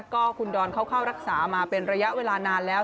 ก็คุณดอนเขาเข้ารักษามาเป็นระยะเวลานานแล้ว